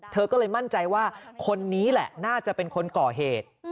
เธอก็เลยมั่นใจว่าคนนี้แหละน่าจะเป็นคนก่อเหตุ